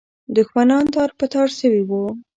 دښمنان تار په تار سوي وو.